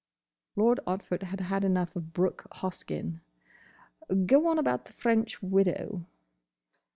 Lord Otford had had enough of Brooke Hoskyn. "Go on about the French widow."